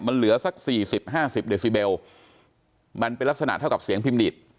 มันเหลือสัก๔๐๕๐เดซิเบลมันเป็นลักษณะเท่ากับเสียงพิมดิต